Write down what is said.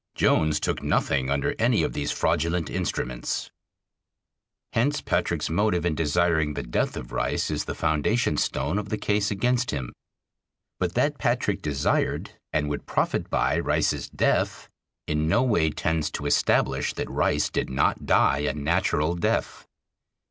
Jones took nothing under any of these fraudulent instruments. Hence Patrick's motive in desiring the death of Rice is the foundation stone of the case against him. But that Patrick desired and would profit by Rice's death in no way tends to establish that Rice did not die a natural death.